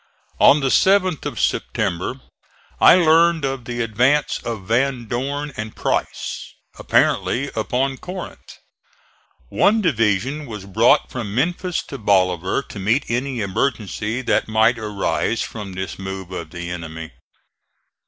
On the 7th of September I learned of the advance of Van Dorn and Price, apparently upon Corinth. One division was brought from Memphis to Bolivar to meet any emergency that might arise from this move of the enemy.